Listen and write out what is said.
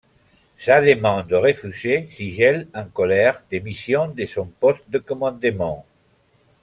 Sa demande refusée, Sigel en colère, démissionne de son poste de commandement.